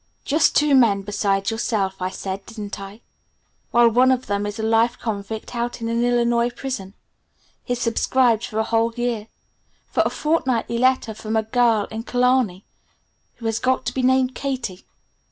"Just two men besides yourself, I said, didn't I? Well one of them is a life convict out in an Illinois prison. He's subscribed for a whole year for a fortnightly letter from a girl in Killarney who has got to be named 'Katie'.